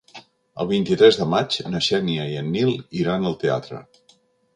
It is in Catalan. El vint-i-tres de maig na Xènia i en Nil iran al teatre.